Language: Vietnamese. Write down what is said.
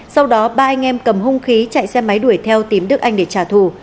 sau đó ba anh em cầm hung khí chạy xe máy đuổi theo tìm đức anh để trả thù